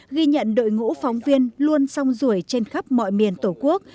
ghi nhận đội ngũ phóng viên luôn song rủi trên khắp mọi miền tổ quốc